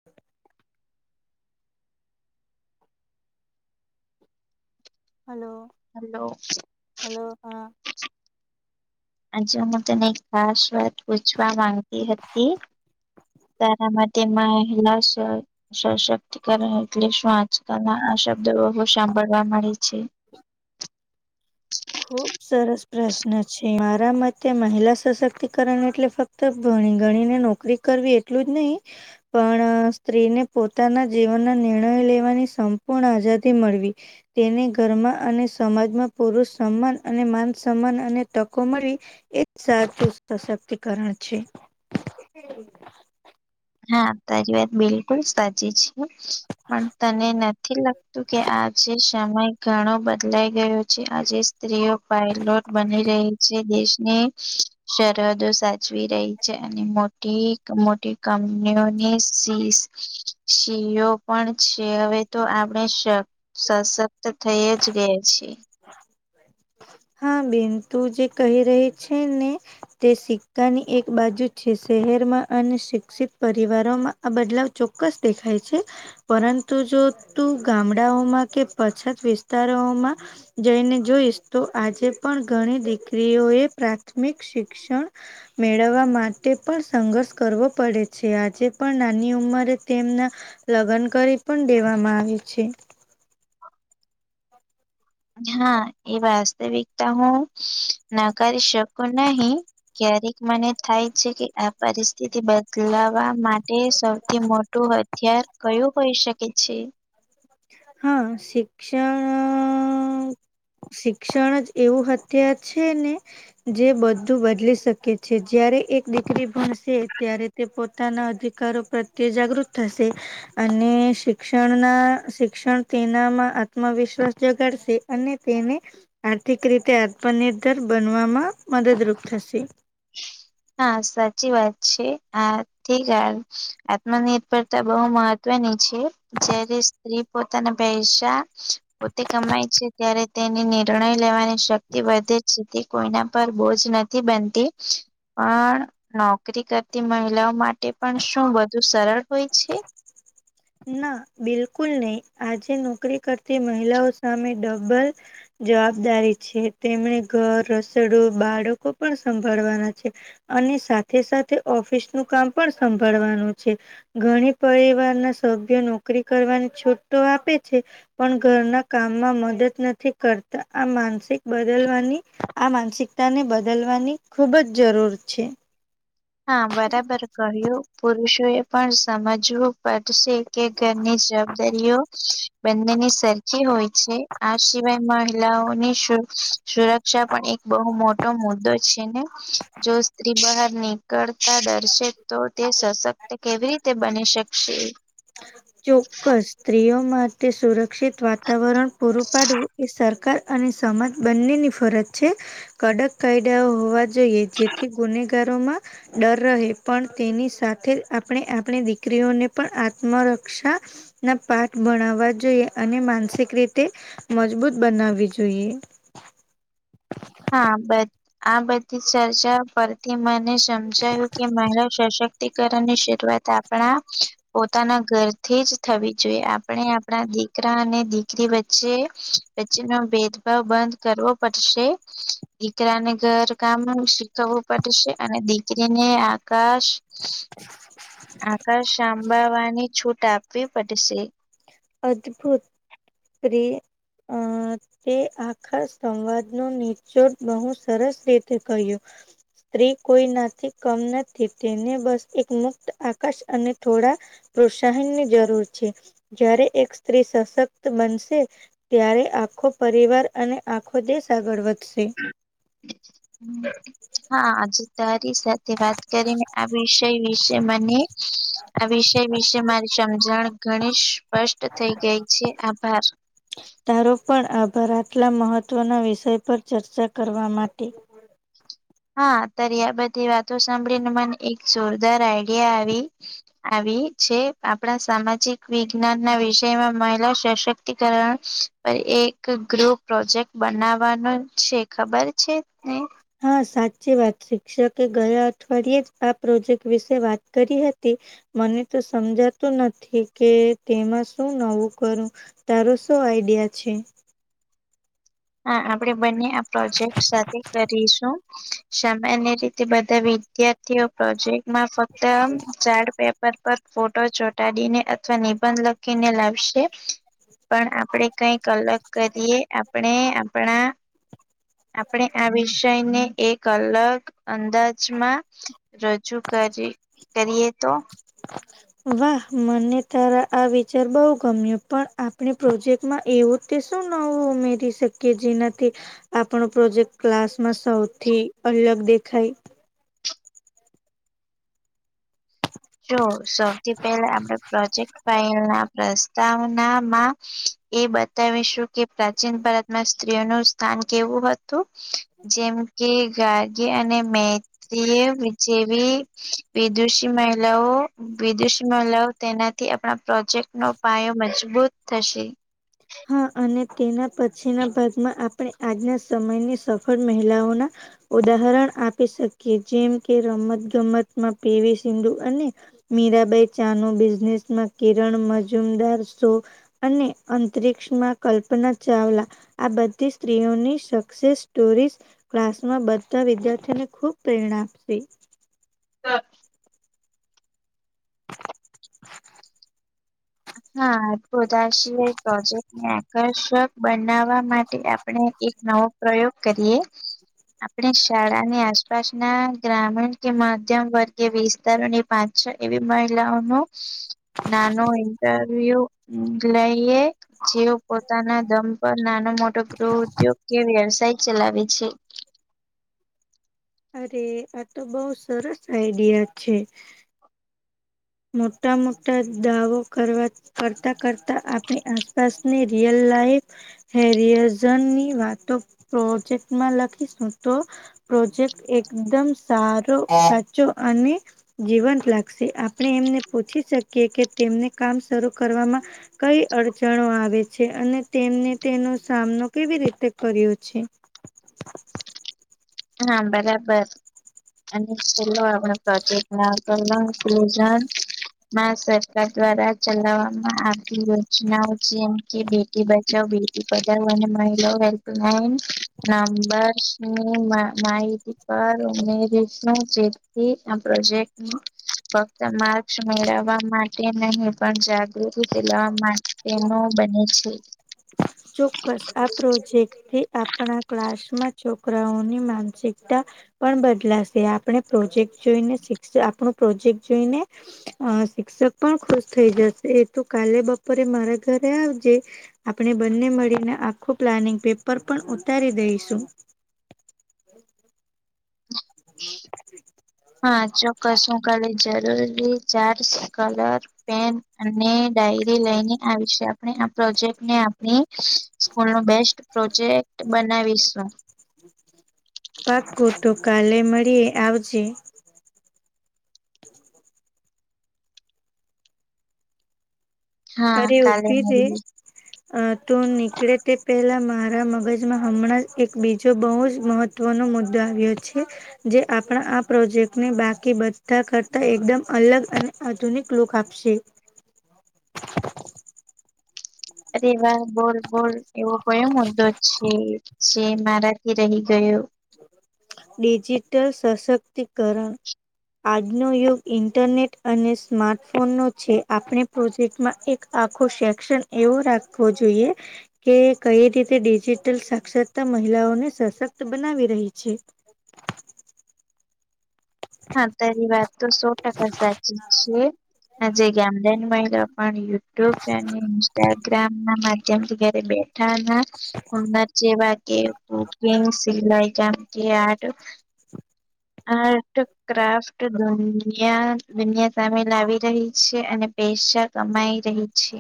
[inaudible] Hello. Hello. Hello હ. આજે હું તને ખાસ વાત પૂછવા માંગતી હતી. તારા માટે માલા. ક્તિકણ એટલે શું આજકાલ ના આ શબ્દોુ સાંભળવા મળે છે. ખુબ સરસ પ્રશ્ન છે મારા મતે મહિલા સશક્તિકરણ એટલે ફક્ત તો ભણી ગણીને નોકરી કરવી એટલું જ નહી. પણ સ્ત્રીને પોતાના જીવનના નિર્ણયો લેવાની સંપૂર્ણ આઝાદી મળવી. તેને ઘરમાં અને સમાજમાં પુરુષ સમાન અને માન સમાન અને તકો મળી એ સાચું સશક્તિકરણ છે. હ હા તજ વાત બલ બુલ સાચી છે પણ તને નથી લાગતું કે આ જે સમય ઘણો બદલાઈ ગયો આજે સ્ત્રીઓ પાયલોટ બની રહી છે દેશની સરરહદો સાચવી રહી છે અને મોટી મોટી કમ્પની સીઓ પણ છે હવે તો આપણે સશક્ત થઈ જ ગયા છે. હા બેન તું જે કહી રહી છે ને? તે સિક્કાની એક બાજુ છે શહેરમાં અને શિક્ષિત પરિવારોમાં આ બદલાવ ચોક્કસ દેખાય છે. પરંતુ જો તું ગામડાઓમાં કે પછાત વિસ્ત વિસ્તારોમાં જઈને જોઈશ તો આજે પણ ઘણી દીકરીઓ એ પ્રાથ પ્રાથમિક શિક્ષણ મેળવવા માટે તે પણ સંઘર્ષ કરવો પડે છે. આજે પણ નાની ઉંમરે તેમના લગ્ન કરી પણ દેવામાં આવે છે. હા એ વાસ્તવિકતા હું નકારી શકું નહી. ક્યારેક મને થાય છે કે આ પરિસ્થિતિ બદલાવા માટે માટે સૌથી મોટું હથિયાર કયું હોઈ શકે છે. હા શિક્ષણ શિક્ષણ જ એવું હથયાાર છે ને જે બધું બદલી શકે છે જયારે એક દીકરી ભણશે ત્યારે તે પોતાના અધિકારો પ્રત્યે જાગૃત થશે અને શિક્ષણના શિક્ષણ તેનામાં આત્મવિશ્વાસ જગાડશે અને તેને આર્થિક રીતે આત્મનિર્ભર બનવામાં મદદરૂપ થશે. હા સાચી વાત છે હા ઠીક હે આત્મનિર્ભરતા બહુ મહત્વ ની છે જયારે સ્ત્રી પોતાના પૈસા પોતે કમાય છે. ત્યારે તેની નિર્ણય લેવાની શક્તિ વધે છે કોઈના પર બોજ નથી બનતી. પણ નોકરી કરતી મહિલાઓ માટે પણ શું બધુ સરળ હોય છે.? ના બિલકુલ નહી આજે નોકરી કરતી મહિલાઓ સામે ડબલ જવાબદારી છે તેમણે ઘર રસોડો બાળકો પણ સંભાળવાના છે. અને સાથે સાથે ઓફિસ નું કામ પણ સંભાળવાનું છે. ઘણી પરિવાર ના સભ્યો નોકરી કરવાની છૂટો આપે છે. પણ ઘરના કામમાં મદદ નથી કરતા આ માનસિક બદલવાની આ માનસિકતાને બદલવાની ખૂબ જ જરૂર છે. હા બરાબર કહ્યું પુરુષો એ પણ સમજવું પડશે કે ઘરની જવાબદારીઓ બંનેની સરખી હોય છે. આ સિવાય મહિલાઓની શું.? સુરક્ષા પણ એક બહુ મોટો મુદ્દો છે ને જો સ્ત્રી બહારની કરતા દર્શે તો તે સશક્ત કેવી રીતે બની શકશે. ચોક્કસ સ્ત્રીઓમાં તે સુરક્ષિત વાતાવરણ પૂરું પાડવું એ સરકાર અને સમાજ બંનેની ફરજ છે કડક કાયદાઓ હોવા જોઈએ જેથી ગુનેગારોમાં ડર રહે પણ તેની સાથે જ આપણે આપણી દીકરીઓને પણ મરક્ષા ના પાઠ ભણાવવા જોઈએ અને માનસિક રીતે મજબૂત બનાવી જોઈએ. હા બ આ બધી ચર્ચા પરથી મને સમજાયું કે મારા સશક્તિકરણની શરૂઆત આપણા પોતાના ઘર થી જ થવી જોઈએ આપણે આપણા દી દીકરા અને દીકરી વચ્ચે વચ્ચેનો ભેદભાવ બંધ કરવો પડશે. દીકરાને ઘર કામ શીખવવું પડશે અને દીકરીને આકાશ [unintelligible] આકા સાંભાળવાની છૂટ આપવી પડશે અદ્ભુત્રી આ તે આખા સંવાદ ન નીચધ બહુ સરસ રીતે કહ્યું સ્ત્રી કોઈ નાથી કમ નથી તેને બસ એક મુક્ત આકાશ અને થોડા પ્રોત્સાહનની જરૂર છે જારે એક સ્ત્રી સશક્ત બનશે ત્યારે આખો પરિવાર અને આખો દેશ આગળ વધશે હા આજે તારી સ તે વાત કરીને આ વિષય વિશે મને આ વિષય વિશે મારી સમજણ ઘણીેશ સ્પષ્ટ થઈ ગઈ છે આભાર તારો પણ આભારતલા મહત્વના વિષય પર ચર્ચા કરવા માટે હા અત્યારે આ બધી વાતો સાંભળીને મને એક જોરદાર આઈડિયા આવી આવી છે આપણા સામાજિક વિજ્ઞાન ના વિષયમાં મહિલા સશક્તિકરણ પણ એક ગૃહ પ્રોજેક્ટ બનાવાનો છે ખબર છે ને હા સાચી વાત શિક્ષકે ગયા અઠવાડિયે જ આ પ્રોજેક્ટ વિશે વાત કરી હતી મને તો સમજાતું નથી કે તેમાં શું નવું કરું તારો શો આઈડિયા છે હા આપણેે બંને આ પ્રોજેક્ટ સાથે કરીશું સામાન્ય રીતે બધા વિદ્યાર્થીઓ પ્રોજેક્ટમાં ફક્ત ચાર્ટ પેપર પર ફોટો ચોટાડીને અથવા નિબંધ લખીને લાવશે પણ આપણેે કંઈક અલગ કરીએ આપણે આપણા આપણે આ વિષયને એક અલગ અંદાજમાં રજૂ કરી કરીએ તો વાહ મને તારા આ વિચાર બહુ ગમ્યો પણ આપણે પ્રોજેક્ટ એવું તે શું નવું ઉમેરી શકીએ જેનાથી આપણો પ્રોજેક્ટ ક્લાસમાં સૌથી અલગ દેખાય જો સૌથી પહેલા આપણે પ્રોજેક્ટ ના પ્રસ્તાવનામાં એ બતાવીશું કે પ્રાચીન ભારત સ્ત્રીઓ નું સ્થાન કેવું હતું જેમ કે ગગી અને મૈત્રી જેવી વિદુષી લવો વિદુષમાં લવ તેનાથી આપણા પ્રોજેક્ટ નો પાયો મજબૂત થશે હમ અને તેના પછી ના ભાગમાં આપણે આજના સમયની સફળ મહિલાઓના ઉદાહરણ આપી શકીએ જેમ કે રમત ગમતમાં પીવી સિંધુ અને મીરાબાઈ ચા ન બિઝનેસમાં કિરણ મજુમદાર શો અને િકમાં કલ્પના ચાવલા આ બધી સ્ત્રીઓની સક્સેસ સ્ટોરી ક્લાસમાં બધા વિદ્યાર્થીઓને ખૂબ પ્રેરણા આપશે હા હા બધા સિવાય પ્રોજેક્ટ ને આકર્ષક બનાવા માટે આપણે એક નવો પ્રયોગ કરીએ આપણે શાળાની આસપાસ ના ગ્રામીણ કે મધ્યમ વર્ગય વિસ્તારોની પાંચ છ એવી મહિલાઓ ન નાનો તું લઈએ જેઓ પોતાના દમ પર નાનો મોટો ગૃહ ઉદ્યોગ કે વ્યવસાય ચલાવે છે. અરે આ તો બહ સરસ આઈડિયા છે. મોટા મોટા દાવો કરવા. કરતા કરતા આપણી આસપાસની રિયલ લાઈફ. હેરિયઝન ની વાતો પ્રોજેક્ટમાં લખીશું તો. પ્રોજેક્ટ એકદમ સારો સાચો અને જીવન લાગશે. આપણે એમને પૂછી શકીએ કે તેમને કામ શરૂ કરવામાં. કઈ અડચણો આવે છે અને તેમને તેનો સામનો કેવી રીતે કર્યો છે. [inaudible] હા બરાબર. અને સ આપ પ્રોજેક્ટ ના કલઝ. માં સરકાર દ્વારા ચલાવવામાં આવી યોજનાઓ જેમ કે. બેટી બચાવ બેટી પચાવ અને મહિલાઓ હેલ્પલાઈન નંબરની. માાર ઓસો જે થી આ પ્રોજેક્ટ. ફક્ત માર્સ મેળવવા માટે નહી પણ જાગૃતિથી લવા માટે. તેનો બને છે. ચોક્કસ આ પ્રોજેક્ટ. આપણા ક્લાસમાં છોકરાઓની માનસિકતા. પણ બદલાશે આપણે પ્રોજેક્ટ જોઈને શિક્ષ આપણું પ્રોજેક્ટ જોઈને. અ શિક્ષક પણ ખુશ થઈ જશે એ તો કાલે બપોરે મારા ઘરે આવજે. આપણે બંને મળીને આખું પ્લાનિંગ પેપર પણ ઉતારી દઈશું. હમ. હા ચોક્કસ શું કરી જરૂરી ચાર્ કલર. પેન અને ડાયરી લઈને આ વિશે આપણે આ પ્રોજેક્ટને આપણી. સ્કૂલ નો બેસ્ટ પ્રોજેક્ટ બનાવીશું. પાકો તોો કાલેે મળીએ આવજે. હા અરે કાલે ઉભી રે મારી. તું નીકળે તે પહેલાં મારા મગજમાં હમણાં એક બીજો બહુ જ મહત્વ. મહત્વનો મુદ્દો આવ્યો છે. જે આપણા આ પ્રોજેક્ટને બાકી બધા કરતા એકદમ અલગ અને. આધુનિક લોક આપશે. અરે વા બોલ બોલ એવો કો એમ મુદ્દો જ છે. જે મારાથી રહી ગયો. ડિજિટલ સશક્તિકરણ. આજનો યુગ ઇન્ટરનેટ અને સ્માર્ટફોન નો છે આપણે. પ્રોજેક્ટમાં એક આખો શેશન એવો રાખવો જોઈએ. કે કઈ રીતે ડિજિટલ સાક્ષરતા મહિલાઓને સશક્ત બનાવી રહી છે. હા તારી વાત તો સો ટકા સાચી છે આજ ગામદેન મહિલા. પણ યુટ્યુબ અને ઇન્સ્ટાગ્રામ ના માધ્યમથી જયારે બેઠા. હ અર જેેવા કે કુકિંગ સિલાઈ ચમકી આ. [inaudible] આર્ટ ક્રાફ્ટ દુનિયા દુનિયા સામે લાવી રહી છે અને. પેશા કમાઈ રહી છે.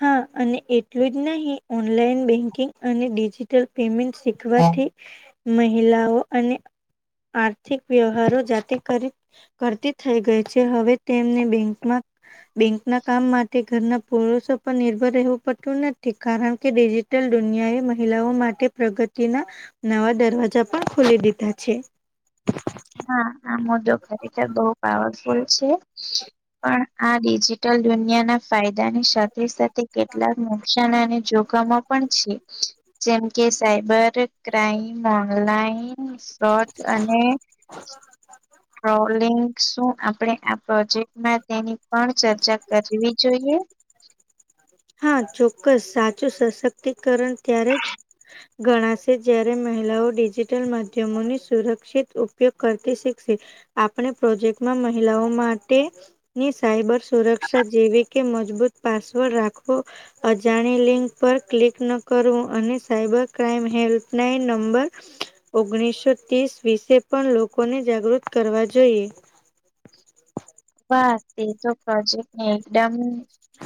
હા અને એટલું જ નહીિ ઓનલાઈન બેંકિંગ અને ડિજીિટલ પેમેન્ટ શીખવાથી. મહિલાઓ અને આર્થિક વ્યવહારો જાતે કરી. કરતી થઈ ગઈ છે હવે તેમને બેંકમાં બેંકના કામ માટે. ઘરના પોળષો પર નિર્ભર રહેવું પડતું નથી કારણ કે ડિજિટલ દુનિયાએ મહિલાઓ માટે. પ્રગતિના નવા દરવાજા પણ ખોલી દીધા છે. હા આ મુદ્દો ખરેખર બહુ પાવરફુલ છે. પણ આ ડિજિટલ દુનિયાના ફાયદાની સાથે સાથે કેટલાક નુકસાન અને જોખમો પણ છે, જેમ કે સાયબર ક્રાઈમ, ઓનલાઈન. શોટ અને ટ્રોલિંગ શું આપણે આ પ્રોજેક્ટમાં તેની પણ ચર્ચા કરવી જોઈએ હા ચોક્કસ સાચું સશક્તિકરણ ત્યારે જ ગણાશે જ્યારે મહિલાઓ ડિજિટલ માધ્યમોની સુરક્ષિત ઉપયોગ કરતી શીખશે આપણે પ્રોજેક્ટમાં મહિલાઓ માટે ની સાયબર સુરક્ષા જેવી કે મજબૂત પાસવર્ડ રાખવો અજાણી લિંક પર ક્લિક ન કરવું, અને સાયબર ક્રાાઈમ હેલ્પલાઇન નંબર ઓગણીસો ત્રીસ વિશે પણ લોકોને જાગૃત કરવા જોઈએ. બસ તે તો પ્રોજેક્ટ ને એકદમ [inaudible]